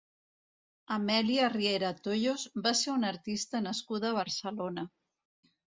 Amèlia Riera Toyos va ser una artista nascuda a Barcelona.